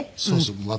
そうそう。